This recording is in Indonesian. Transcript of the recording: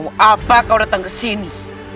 mau apa kau datang kesini